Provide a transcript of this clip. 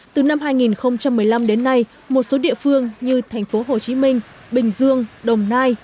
từ năm hai nghìn một mươi năm đến nay một số địa phương như thành phố hồ chí minh bình dương đồng nai